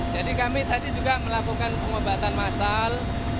jadi kami tadi juga melakukan pengobatan masal